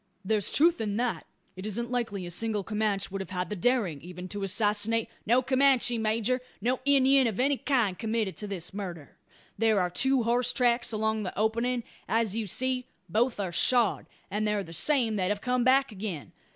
"There's truth in that. It isn't likely a single Comanch would have had the daring, even to assassinate " "No Comanche, major, no Indyin of any kind committed this murder. There are two horse tracks along the opening. As you see, both are shod; and they're the same that have come back again.